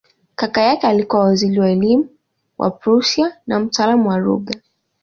Kaka yake alikuwa waziri wa elimu wa Prussia na mtaalamu wa lugha.